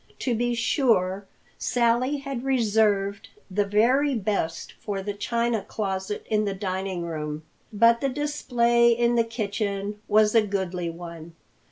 To be sure, Sally had reserved the very best for the china closet in the dining room, but the display in the kitchen was a goodly one.